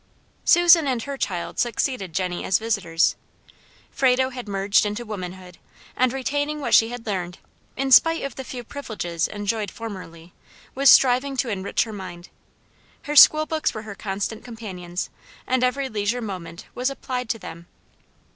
Susan and her child succeeded Jenny as visitors. Frado had merged into womanhood, and, retaining what she had learned, in spite of the few privileges enjoyed formerly, was striving to enrich her mind. Her school books were her constant companions, and every leisure moment was applied to them.